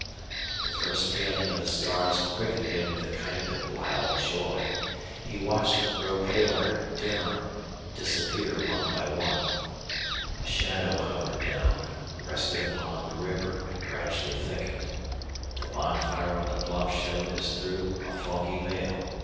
The first paling of the stars quickened him with a kind of wild joy. He watched them grow paler, dimmer, disappear one by one. A shadow hovered down, rested upon the river, and gradually thickened. The bonfire on the bluff showed as through a foggy veil.